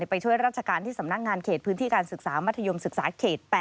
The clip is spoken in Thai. ไปช่วยราชการที่สำนักงานเขตพื้นที่การศึกษามัธยมศึกษาเขต๘